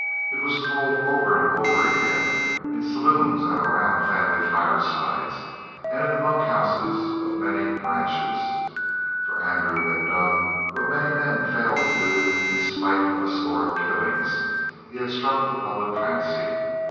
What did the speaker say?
It was told over and over again in saloons and around family firesides and in the bunk houses of many ranches. For Andrew had done what many men failed to do in spite of a score of killings he struck the public fancy.